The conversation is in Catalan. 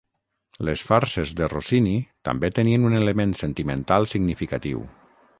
Les farses de Rossini també tenien un element sentimental significatiu.